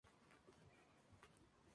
Metro" y ganó un Premio Filmfare.